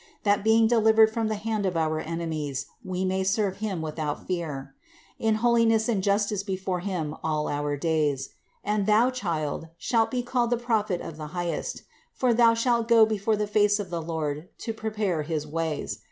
That being delivered from the hand of our enemies, we may serve him without fear, 75. In holiness and justice before him, all our days. 76. And thou, child, shalt be called the prophet of the Highest : for thou shalt go before the face of the Lord to prepare his ways : 77.